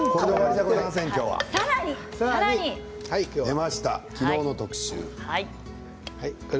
出ました、昨日の特集。